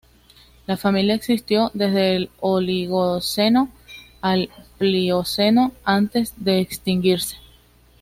La familia existió desde el Oligoceno al Plioceno antes de extinguirse.